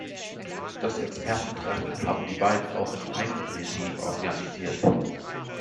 Das Expertentreffen haben die beiden auch in Eigenregie organisiert.